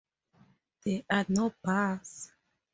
There are no bars.